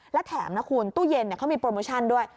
และแถมนะคุณตู้เย็นเขามีโปรโมชั่นด้วย